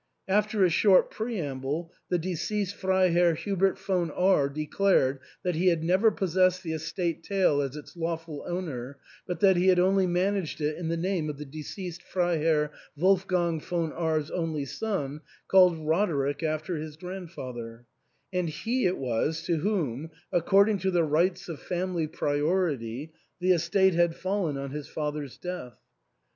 After a short preamble the deceased Freiherr Hubert von R declared that he had never possessed the estate tail as its lawful owner, but that he had only managed it in the name of the deceased Freiherr Wolfgang von R 's only son, called Roderick after his grand father ; and he it was to whom, according to the rights of family priority, the estate had fallen on his father's death.